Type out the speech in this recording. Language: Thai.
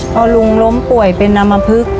พอลุงล้มป่วยเป็นอำมพลึก